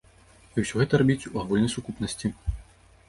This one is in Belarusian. І ўсё гэта рабіць у агульнай сукупнасці.